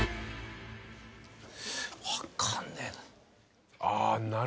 分かんねえな。